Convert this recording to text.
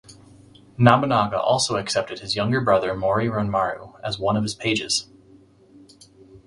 Nobunaga also accepted his younger brother Mori Ranmaru as one of his pages.